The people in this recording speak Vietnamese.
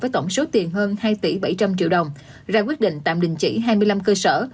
với tổng số tiền hơn hai tỷ bảy trăm linh triệu đồng ra quyết định tạm đình chỉ hai mươi năm cơ sở